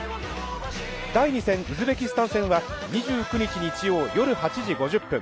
第２戦ウズベキスタン戦は２９日、日曜夜８時５０分。